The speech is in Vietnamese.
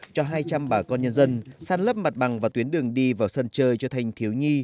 cho hai trăm linh bà con nhân dân săn lấp mặt bằng và tuyến đường đi vào sân chơi cho thanh thiếu nhi